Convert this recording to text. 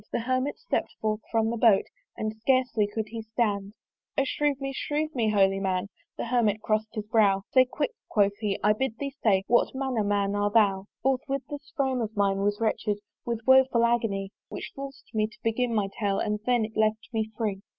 The Hermit stepp'd forth from the boat, And scarcely he could stand. "O shrieve me, shrieve me, holy Man!" The Hermit cross'd his brow "Say quick," quoth he, "I bid thee say "What manner man art thou?" Forthwith this frame of mine was wrench'd With a woeful agony, Which forc'd me to begin my tale And then it left me free.